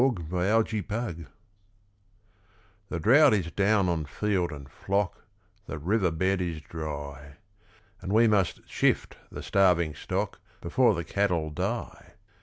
With the Cattle The drought is down on field and flock, The river bed is dry; And we must shift the starving stock Before the cattle die.